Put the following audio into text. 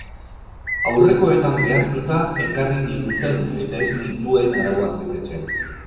Aurrekoetan behartuta ekarri ninduten eta ez nituen arauak betetzen.